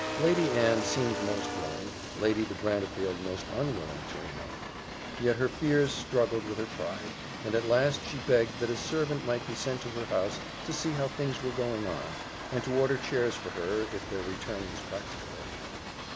Lady Anne seemed most willing, Lady de Brantefield most unwilling to remain; yet her fears struggled with her pride, and at last she begged that a servant might be sent to her house to see how things were going on, and to order chairs for her, if their return was practicable.